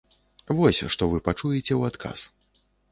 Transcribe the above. Вось, што вы пачуеце ў адказ.